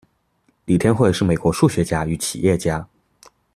李天惠是美国数学家与企业家。